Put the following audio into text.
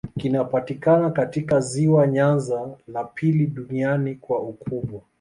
Kinapatikana katika ziwa Nyanza, la pili duniani kwa ukubwa.